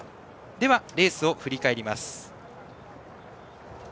では、レースを振り返ります。